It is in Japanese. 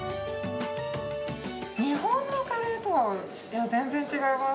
日本のカレーとは全然違います。